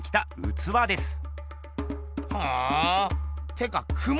てかクモ？